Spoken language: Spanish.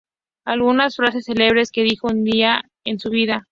Algunas Frases Celebres que dijo un día en su vida.